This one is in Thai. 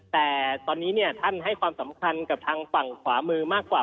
แต่ตอนนี้เนี่ยท่านให้ความสำคัญกับทางฝั่งขวามือมากกว่า